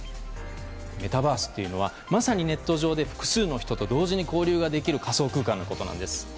メタバースというのはまさにネット上で複数の人と同時に交流ができる仮想空間のことなんです。